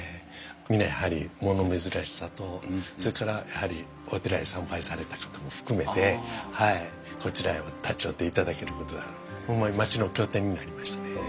みんなやはり物珍しさとそれからやはりお寺へ参拝された方も含めてこちらへ立ち寄っていただけることはホンマに町の拠点になりましたね。